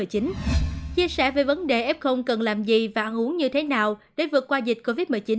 chia sẻ về vấn đề f cần làm gì và ăn uống như thế nào để vượt qua dịch covid một mươi chín